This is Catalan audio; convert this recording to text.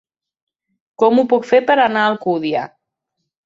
Com ho puc fer per anar a Alcúdia?